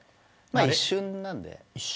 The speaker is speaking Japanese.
まあ、一瞬なんで。